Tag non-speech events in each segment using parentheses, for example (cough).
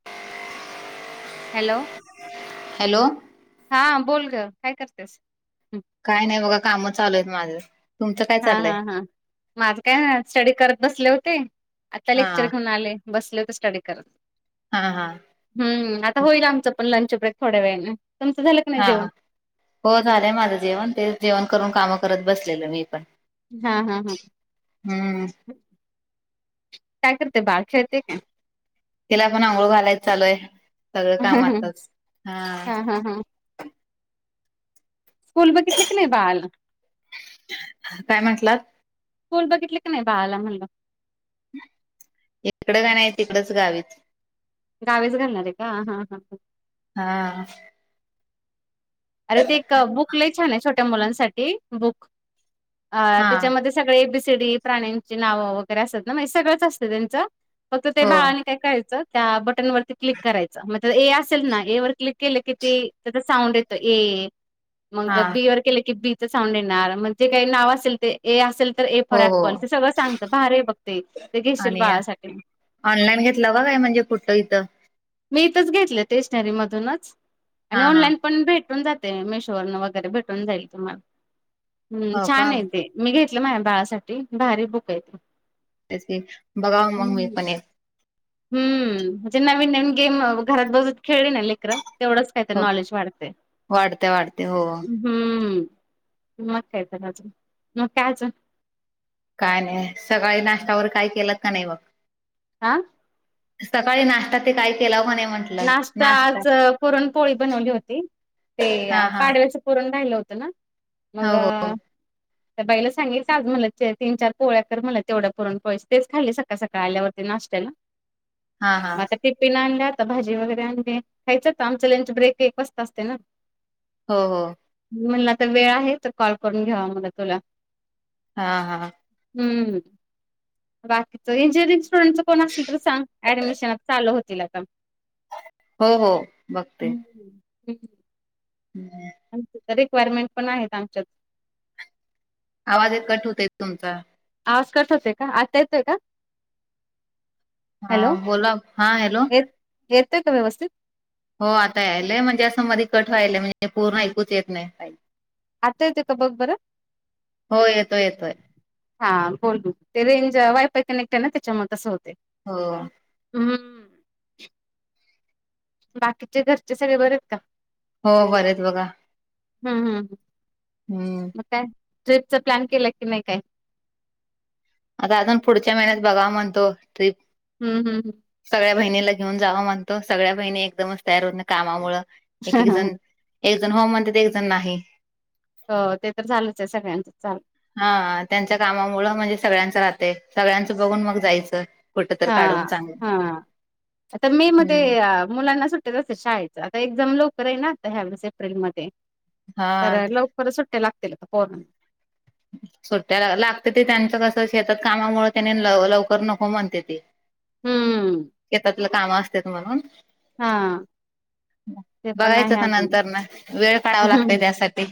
(unintelligible) Hello. Hello. हा बोल ग, काय करत्यास? काय नाही बघा. कामच चालूयेतं माझे. हा हा हा, माझं काय स्टडी करत बसले होते. आता हा लेक्चर खाऊन आले. बसले होते स्टडी करत. हा हा. हम्म, आता होईल आमचं पण लंच ब्रेक थोड्या वेळन. तुमंच झालं? नाही हा, जेवण हो झालंय माझं जेवण. ते जेवण करून कामं करत बसलेले मी पण. हा हा हा, हम्म काय करते बाळ? खेळते का? तिला पण आंघोळ घालाय चालूय. सगळं काम आताच हा. हा हा स्कूल बघितले की नाही बाळाला? काय म्हटलात? स्कूल बघितले का नाही बाळाला म्हणलं? इकडं काय नाही तिकडचं गावीच. गावीच घालणार आहे का? हां हां. हां, अरे ते एक बुक लय छान छोट्या मुलांसाठी, बुक, अं हा त्यांच्यामध्ये सगळी एबीसीडी प्राण्यांची नाव वगैरे असतात ना सगळंच असतं त्यांच फक्त ते हो बाळ काय करायच त्या बटन वरती क्लिक करायचं, मगं तिथं ए असेल ना ए वर क्लिक क्लिक केलं कि ते त्याचा साऊंड येतो ए हा मगं बी वर केलं की बी साऊंड येणार मगं जे काही नाव असेल ते ए असेल तर ए हो फॉर हो ऍप्पल ते सगळं सांगतं भारी आहे बघ ते, ते घेशील आणि बाळासाठी. ऑनलाईन घेतलं (unintelligible) म्हणजे कुठं इथं. मी इथंच घेतलं स्टेशनरी मधूनच हा आणि हा ऑनलाईन पण भेटून जातंय मेशोवरुन वगैरे भेटून जाईल तुम्हाला हम् हो छान का आहे ते. मी घेतलं माझ्या बाळासाठी भारी बुक आहेेत. तेच की बघाव मगं मी पण एक. हम् म्हणजे नवीन नवीन गेम घरात बसून खेळली ना लेकर तेवढंच काय तर हो नॉलेज वाढतं. वाढते वाढते हो हम् हम्म्म मग काय तर अजून, मग काय अजून काय नाही सकाळी नाश्ता वगैरे काही केलात की नाही मग? आं. सकाळी नाश्ता ते काय केलाव का नाही म्हटलं नाष्टा आज पुरणपोळी बनवली होती. ते हा हा पाडव्याचं पुरण राहिलं होतं ना हो हो मगं त्या बाईला सांगितल आज मला ते तीन चार पोळ्या कर मला तेवढ्या पुरण पोळी तेच खाली सकाळी त्या सकाळी आल्या होत्या नाश्त्याला. हां हां. टिपिन आणलाय आता भाजी वगैरे आणली खायच आता आमचं लंच ब्रेक एक वाजता असतंय ना. हो हो, म्हणल आता वेळ आहे तर कॉल करून घ्यावा म्हटला तुला. हां हां हम्म बाकीचं (unintelligible) स्टुडंट कोण असतील तर सांग ऍडमिशन चालु होतील आता. हो हो, बघते. (inaudible) हम्म, आमच्या हितं रिक्वायरमेंट पण आहेत आमच्यात. आवाज एक कट होतोय तुमचा. आवाज कट होतोय का, आता येतोय का? हां बोला, हां हॅलो येतंय का व्यवस्थित? हो आता यायलय म्हणजे असं मधी कट व्हालय म्हणजे पूर्ण ऐकुच येत नाही काही. आता येतोय का बघ बरं. हो येतोय येतोय हा बोल बोल, ते रेंज वायफाय कनेक्ट आहे ना त्याच्यामुळे तसं होतंय. हो, हम्म बाकीचे घरचे सगळे बरे आहेत का? हो बरे आहेत बघा. हम्म हम्म हम्म. मग काय ट्रिपचा प्लॅन केलाय की नाही काही? अगं अजून पुढच्या महिन्यात बघावं म्हणतो ट्रीप. हम् हम् हम. सगळ्या बहिणीला घेऊन जावं म्हणतो, सगळ्या बहिणी एकदमच तयार होत नाही कामामुळं. एक एक जण एकजण हो म्हणते, तर एक जण नाही. हो, ते तर झालंच आहे सगळ्यांचच चाल हा, त्यांच्या कामामुळं म्हणजे सगळ्यांचं राहतंय, सगळ्यांचं बघून मग जायचं. कुठं तर काढून हां, चांगलं हां, आता मे मध्ये हम्म मुलांना सुट्ट (unintelligible) असतंय शाळेचं, आता एक्झाम लवकर आहे ना, वाटतं ह्यावेळेस एप्रिलमध्ये हा तर लव परत सुट्ट्या लागतील आता पोरांना. सुट्ट्या लागत्याती त्यांचं कसं शेतात कामामुळं त्यानी लवकर नको म्हणतेती. हम्म शेतातलं काम असत्यात म्हणून? हां. मग बघायचं का नंतरण वेळ काढाव लागतंय हम्म त्यासाठी.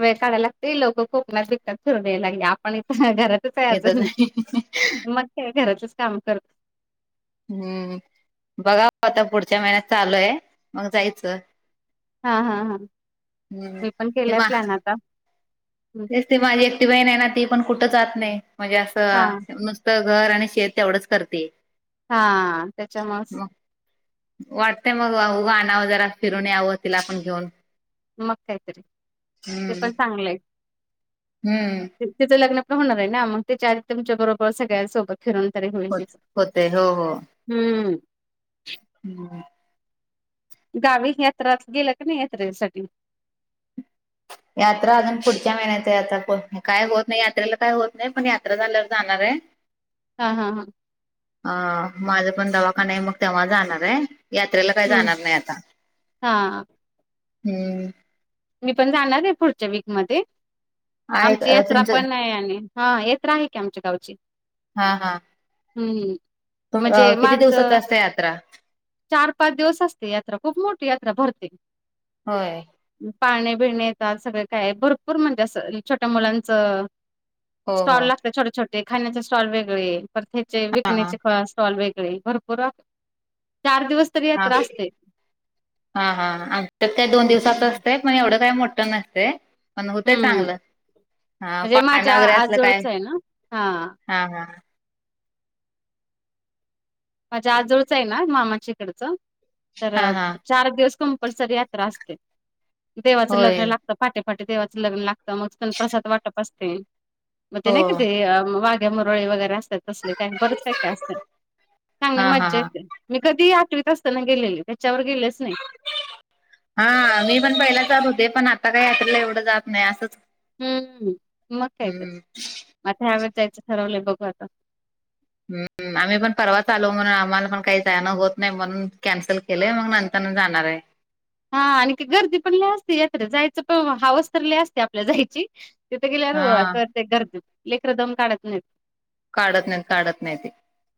वेळ काढा लागतोय, लोकं कोकणात सुट्यात फिरून याय लागले, आपण इथं घरात (unintelligible) काय इथच अजून, मग काय घरातलेच काम करते. हम्म, बघा आता पुढच्या महिन्यात चालूये, मग जायचं. हां, हा हा, हम्म मी पण ते केलाय मा प्लॅन आता. तेच ते माझी एकटी बहीण आहे ना, ती पण कुठं जात नाही, म्हणजे हा असं नुस त घर आणि शेत तेवढंच करतीये. हां, त्याच्यामुळंच वाटतंय मग आहो, आणावं जरा फिरून यावं, तिला पण घेऊन. मग काय तरी, ते हम्म पण चांगलंय. हम्म. तिचं लग्न पण होणार आहे ना, मग तेच्या आधी तुमच्या बरोबर सगळ्यांसोबत फिरून तरी होईल होत तिचं, होते हो हम्म. हम. गावीच यात्रात गेला का नाही यात्रेसाठी? यात्रा अजून पुढच्या महिन्यात आहे, आता को काय होत नाही, यात्रेला काय होत नाही, पण यात्रा झाल्यावर जाणार आहे. (inaudible) हां, हा हा. अ... माझे पण दवाखाने आहे, मग तेव्हा जाणार आहे. यात्रेला काय जाणार हम्म नाही आता, हा हम्म. मी पण जाणार आहे फुडच्या वीकमध्ये, आहे आमची का यात्रा तुमचं पण आहे आणि. हां येत्रा आहे की आमच्या गावची. हा हा. हम्म. प अ... म्हणजे किती दिवसाचं असतंय यात्रा? चार-पाच दिवस असते यात्रा, खूप मोठी यात्रा भरते. होय. उम पाळणे बिळणे येतात, सगळं काय भरपूर म्हणजे असं छोट्या मुलाचं हो हो स्टॉल लागता छोटे छोटे खाण्याचे स्टॉल, वेगळे परत हेचे हा हा. विकण्याचे पस स्टॉल वेगळे भरपूर आगं, चार दिवस तरी हां, यात्रा असते हां, हा हा आणि त्यात काय दोन दिवसाचं हम्म असतंय? मग एवढं काय मोठं नसतंय. पण हुतय चांगलं, हा म्हणजे पाळणा माझ्या वगैरे असलं काय आजोळच आहे ना हा हा माझ्या आजोळचं हाय ना, मामाच्या हिकडं तर हा हा चार दिवस कंपल्सरी यात्रा असते, देवाच होय लग्न लागतं. पहाटे -पहाटे देवाचं लग्न लागतं, मग तिथून प्रसाद वाटप असते, मग ते हो नाही का ते वा घ्या मुरळी वगैरे असत्यात तसले काय बरंच काय- काय असत्यात. चांगली हा हा मज्जा हा येते, मी कधी आठवीत असताना गेलेली त्याच्यावर गेलेच नाही. हा मी पण पहिला जात होते, पण आता काय यात्रेला एवढं जात नाही असंच- हूं.. मग काय तर, हम्म म आता ह्या वेळेस जायचं ठरवलंय बघू आता. (unintelligible) आम्ही पण परवाच आलो म्हणून आम्हांला पण काही जाणं होत नाही, म्हणून कॅन्सल केलंय मग नंतरनं जाणार आहे. हा आणि ती गर्दी पण लई असती यात्रेत जायचं पण हवस तर लै असते आपल्या जायची- तिथे गेल्यावर हा कसं वाटतंय, गर्दीत लेकंर दम काढत नाहीत. काढत नाहीत, काढत नाहीती.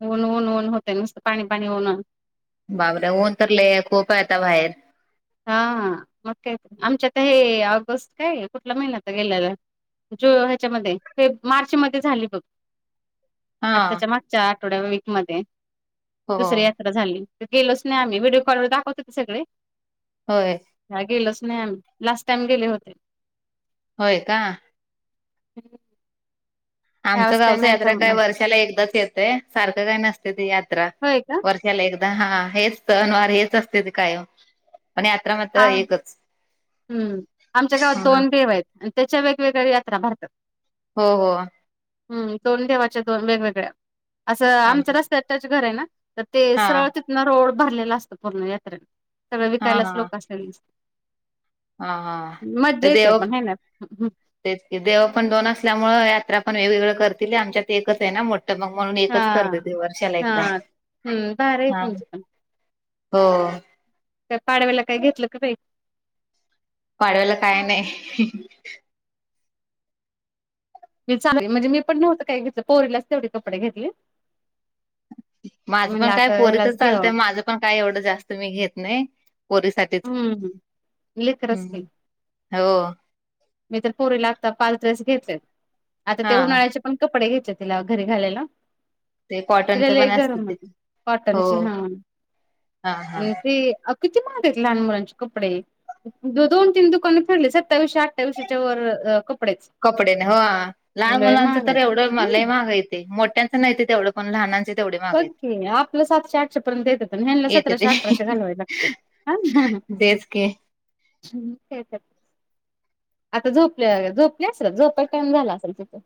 ऊन, ऊन, ऊन होतयं नुसतं पाणी- पाणी होनं. बापरे! ऊन तर लै आहे, खूप आहे आता बाहेर. हा मग का आमच्या ते ऑगस्ट काय कुठंला महिना आता गेल्याला जु ह्याच्या मध्ये फेब मार्च मध्ये झाली बघ. (inaudible) आत्ताच्या मागच्या आठवड्या वीक मध्ये हो दुसऱ्या जत्रा झाली ते गेलोचं नाही आम्हीं, व्हिडिओ कॉलवर दाखवत होते सगळे. होय... काय गेलोच नाही आम्हीं, लास्ट टाईम गेले होते. होय, का? आमचं ह्यावेळेस काही गावचं नाही यात्रा जमलं काही वर्षाला एकदाच येतंय, सारखं काय नसत्या ती यात्रा. व्हयं का. वर्षाला एकदा हा हेच सनवार हेच येत असत्यात कायम, पण यात्रा मात्र एकच. हं.. आमच्या गावात दोन देव आहेत आणि त्याच्या वेगवेगळ्या यात्रा भरत्यात. हो, हो.... हु.. दोन देवाच्या दोन वेगवेगळ्या, असं आमचं आमच रस्त्यात टच घर आहे ना, तर ते हा सरळ तिथनं रोड भरलेला असतो पूर्ण यात्रेला, सगळं हा विकायलाच हा लोकं असत्यात. हा, हा.... मज्जा ते येत्या, देव पण हाय ना. हं. हं. तेच की, देव पण दोन असल्यामुळं यात्रा पण वेगवेगळं करतील आमच्यात ते एकच आहे ना, मोठं मग म्हणून एकच करत्या ती वर्षाला एकदाच. हुं.. भारी हाय तुमंच. हो.... काय पाडव्याला काय घेतलं का काही? पाडव्याला काय नाही. (unintelligible) मी चांगली म्हणजे मी पण नव्हंत काय घेतलं, पोरीलाच तेवढी कपडे घेतली. माझं पण काय आता ह्यालाच पोरीचच घ्यावं चालतयं, माझं पण काय एवढं जास्त मी घेत नाही, पोरीसाठी तेच, हम्म लेकरच हुं.. की हो.... मी तर पोरीला आता पाच ड्रेस घेतलेत, आता ते हा उन्हाळ्याचे पण कपडे घ्यायचेत, तिला घरी घालायला. ते तिला कॉटनच लै पण गरम असत होतंय ते म्हणुन हो कॉटनची हा हा हा आणि ती अग- किती महागयेत लहान मुलांचे कपडे दो दोन तीन दुकाने फिरली सत्तावीसशे, अठ्ठावीशेच्या वरच अ कपडे्च कपडे न हो लहान मुलांचं तर आहेत. एवढं म लय महाग ये ते मोठ्यांचं नाय ते तेवढं पण लहानांचे तेवढे महाग बघ येत की आपलं सातशे आठशे पर्यंत येत होतं ह्यांना येतते सतराशे अठराशे घालवावे लागते. हा तेच की. आता झोपल्या बघा झोपले असलं झोपायचा टाइम झाला असेल तिचा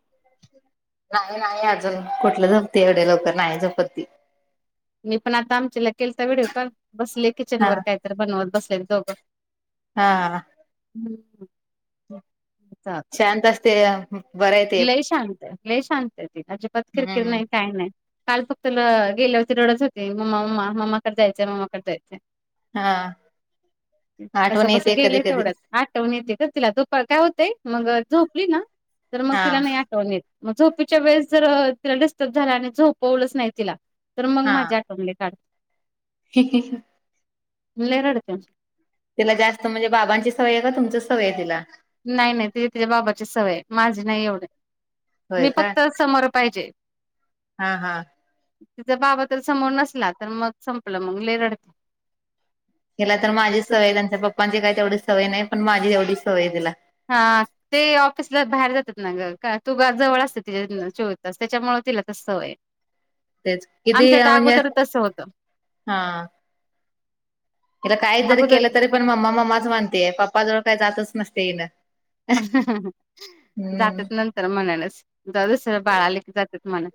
नाही नाही अजून कुठलं झोपते एवढ्या लवकर नाय झोपत ती. मी पण आता आमचीला केलता विडीओ कॉल बसले हा किचनवर कायतरी बनवत बसलेत दोघं. हा. हम्म. शांत असते बरय लय शांत लय शांतय ती अजीबात खिरकीर हम्म नाय काय नाय. काल फक्त ल गेल्यावरती रडत होती मम्मा मम्मा ममाकडे जायचय, मम्माकडे जायचय. हा आठवण येते कधी कधी. आठवन येते खरं तिला झोप काय होतेय मग झोपली ना तर मग हा तिला नाही आठवन येत. मग झोपीच्या वेळेस जर तिला डिस्टर्ब झाला आणि झोपवलंच नाय तिला तर मग हा माझी आठ (unintelligible) काढ. (unintelligible) (inaudible) लय रडत्या. तिला जास्त म्हणजे बाबांची सवय ये का? तुमचीच सवय ये तिला? नाही नाही तीला तीच्या बाबाचीच सवय हाय माझी नाय एवढी होय मी का फक्त समोर पायजे. हा हा. तिजा बाबा तर समोर नसला तर मग संपलं मग लय रडते. हिला तर माझीच सवय ये त्यांच्या पप्पांची काय तेवढी सवय नाय पण माझी एवढी सवय हाय तिला. हा. ते ऑफिसला बाहेर जातात ना ग का तू जवळ असते तिच्या चोवीस तास त्याच्यामुळे तिला तसं सवय हाय. तेच किती आमच्या तर म्हणजे अगोदर तस होतं. हीला काय जरी अगोदर केलं तरी पण मम्मा मम्माच मनतेय पप्पा जवळ काय जातच नसते हीन. जातात नंतर मनानचं जावुंदे जरा दुसर बाळ आले की जातात मनानं.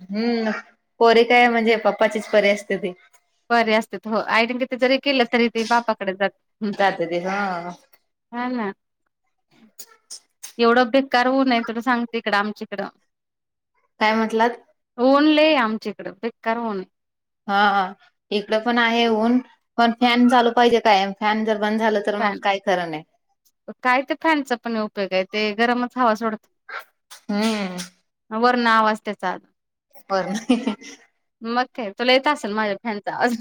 हम्म, पोरी काय म्हणजे पप्पाचीच परी असते ती. परी असतेत हो आईने किती जरी केलं तरी ते बापाकडेच जातात हम्म. जाते ती हा हा ना. एवढं बेकार ऊनय तुला सांगते इकडं आमच्याईकडं काय म्हटलात? ऊन लय आमच्या इकडें बेकार ऊन. हा हा इकड पण आहे ऊन पण फॅन चालू पायजे कायम फॅन जर बंद झालं तर मग फॅन काय खरं नाही. काय ते फॅनचा पण उपयोग हाय ते गरमच हवा सोडतय. हम्म. वरन आवाज त्याचा बर. मग काय? तुला येत असेल माझ्या फॅनचा आवाज.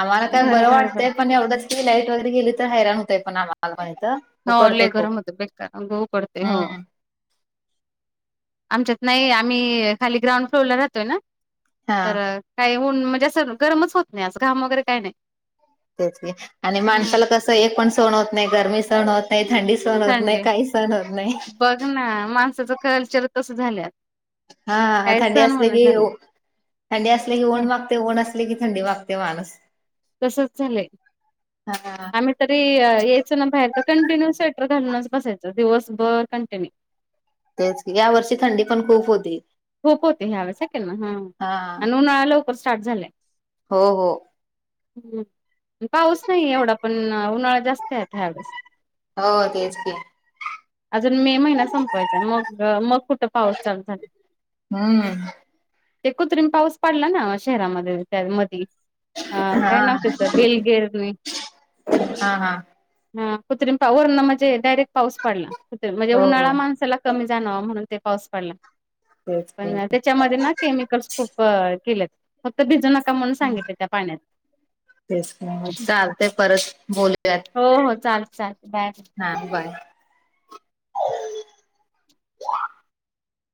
आम्हाला काय बरं वाटतंय पण एवढंच की लाईट वगैरे गेली तर हैराण होतय पण आम्हाला पण ईथ. हो लय गरम होतय बेकार (unintelligible) ऊकडतय हो. हम्म आमच्यात नाई आम्ही खाली ग्राउंड फ्लोअरला राहतोय ना. हा. तर काय ऊन म्हणजे असं गरमच होत नाही अस घाम वगैरे काय नाय. त्या आणि माणसाला कसं, एक पण सहण होत नाही, गरमी सहण होत नाही थंडी. सहण होत नाही, थंडी काही सहण होत नाही. बघ ना, माणसाचं चालचलन तसं झाल्यात. हा ह थंडी असली कीयेऊ, थंडी असली की हं, ऊन माग. ऊन असल की थंडी मागतय माणुस. तसच झालय, हा आम्ही तरी. बाहेर तर कंटिन्यू स्वेटर घालूनच बसायचं, दिवसभर कंटिन्यू. तेच की, या वर्षी थंडी पण खूप होती. खूप होती ह्या वेळेस, हाय क नाय हा. आणि उन्हाळा लवकर स्टार्ट झालाय. हो हो.... हम पाऊस नाही एवढा पण उन्हाळा जास्त आहे ह्यावेळेस. हो तेच की. अजून मे महिना संपवायचाय मग मग कुठं पाऊस चालू झाला. हम्म.. ते कृत्रिम पाऊस पडला ना शहरामध्ये त्या मधी. हा काय नाव त्याच बिलगिरी. हा हा ह कृत्रिम पाऊस वरण म्हणजे डायरेक्ट पाऊस पडला कृत्रिम म्हणजे हो उन्हाळा हो माणसाला. कमी जाणंवाहणून ते पाऊस पडला. तेच पण की, त्याच्यामध्ये ना केमिकल्स खूप केलेत फक्त भिजना. तेच का चालते परत बोलूयात. हो हो चालत चालत बाय. हा बाय...